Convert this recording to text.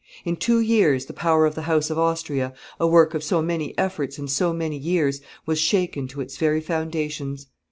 In two years the power of the house of Austria, a work of so many efforts and so many years, was shaken to its very foundations.